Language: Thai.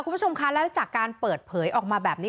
คุณผู้ชมคะแล้วจากการเปิดเผยออกมาแบบนี้